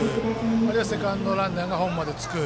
あるいはセカンドランナーがホームまでつく。